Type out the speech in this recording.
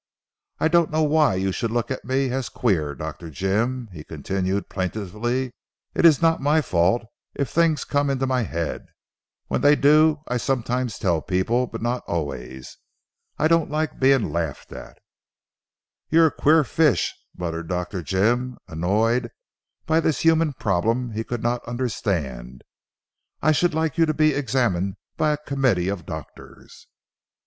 I don't know why you should look on me as queer Dr. Jim," he continued plaintively, "it is not my fault if things come into my head. When they do, I sometimes tell people, but not always. I don't like being laughed at." "You're a queer fish," muttered Dr. Jim, annoyed by this human problem he could not understand. "I should like you to be examined by a committee of doctors."